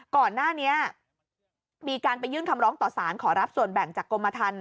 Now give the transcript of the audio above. ก่อนหน้านี้มีการไปยื่นคำร้องต่อสารขอรับส่วนแบ่งจากกรมทัน